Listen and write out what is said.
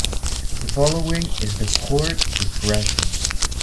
The following is the chord progression.